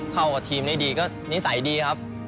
เข้ากับทีมได้ดีก็นิสัยดีครับ